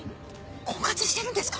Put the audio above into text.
婚活してるんですか？